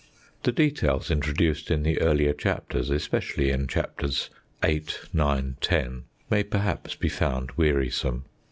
The details introduced in the earlier chapters, especially in Chapters VIII., IX., X., may perhaps be found wearisome.